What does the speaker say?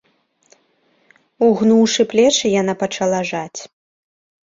Угнуўшы плечы, яна пачала жаць.